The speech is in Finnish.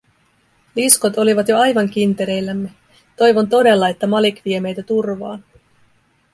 Liskot olivat jo aivan kintereillämme - toivon todella, että Malik vie meitä turvaan.